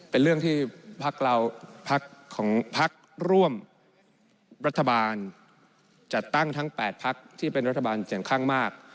เป็นเรื่องที่ภาคร่วมรัฐบาลจัดตั้งทั้ง๘ภาคที่เป็นรัฐบาลเสียงข้างมาก